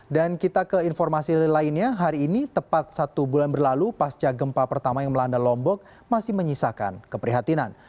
dan kita ke informasi lainnya hari ini tepat satu bulan berlalu pasca gempa pertama yang melanda lombok masih menyisakan keprihatinan